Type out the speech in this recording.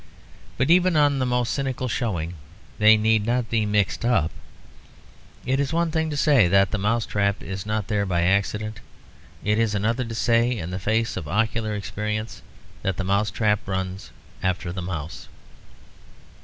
But even on the most cynical showing they need not be mixed up. It is one thing to say that the mousetrap is not there by accident. It is another to say (in the face of ocular experience) that the mousetrap runs after the mouse.